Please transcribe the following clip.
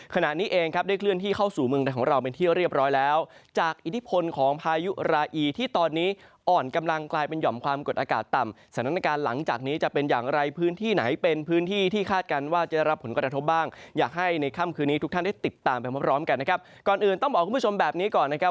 ก่อนอื่นต้องบอกกับคุณผู้ชมแบบนี้ก่อนนะครับ